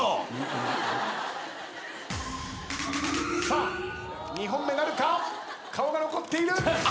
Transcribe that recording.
さあ２本目なるか⁉顔が残っている！